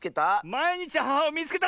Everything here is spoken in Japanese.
「まいにちアハハをみいつけた！」